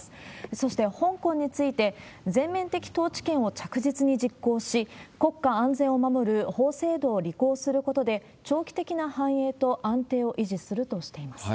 そして、香港について、全面的統治権を着実に実行し、国家安全を守る法制度を履行することで、長期的な繁栄と安定を維持するとしています。